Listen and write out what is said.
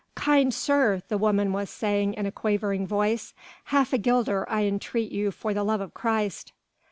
"Kind sir," the woman was saying in a quavering voice, "half a guilder I entreat you for the love of Christ."